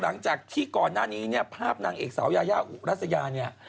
หลังจากที่ก่อนหน้านี้เนี่ยภาพนางเอกสาวยายาอุรัสยาเนี่ย